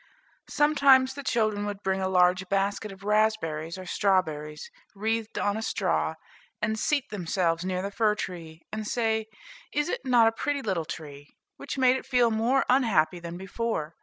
Sometimes the children would bring a large basket of raspberries or strawberries, wreathed on a straw, and seat themselves near the fir tree, and say, "Is it not a pretty little tree?" which made it feel more unhappy than before.